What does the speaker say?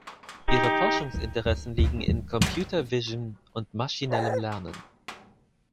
Ihre Forschungsinteressen liegen in Computer Vision und maschinellem Lernen.